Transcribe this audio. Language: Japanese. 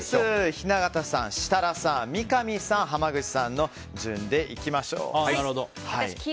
雛形さん、設楽さん三上さん、濱口さんの順でいきましょう。